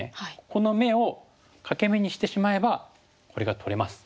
この眼を欠け眼にしてしまえばこれが取れます。